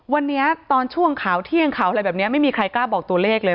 วันนี้ตอนช่วงข่าวเที่ยงข่าวอะไรแบบนี้ไม่มีใครกล้าบอกตัวเลขเลย